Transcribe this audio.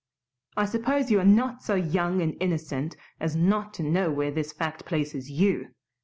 I suppose you are not so young and innocent as not to know where this fact places YOU.